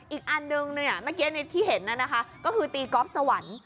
อีกอันนึงเมื่อกี้ที่เห็นนั่นนะคะก็คือตีก๊อฟสวรรค์